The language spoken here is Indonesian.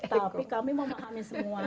tapi kami memahami semua